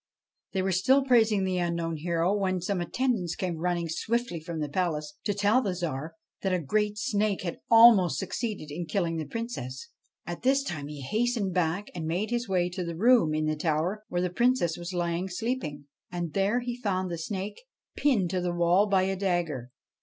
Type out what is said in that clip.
They were still praising the unknown hero, when some attendants came running swiftly from the palace, to tell the Tsar that a great snake had almost succeeded in killing the Princess. At this he hastened back and made his way to the room in the tower where the Princess was lying asleep ; and there he found the snake pinned to the wall by a dagger.